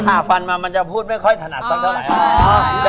ฟันมามันจะพูดไม่ค่อยถนัดสักเท่าไหร่